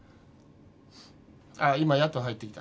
ああ今やっと入ってきた。